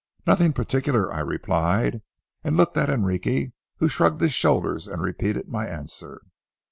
"Nothing particular," I replied, and looked at Enrique, who shrugged his shoulders and repeated my answer.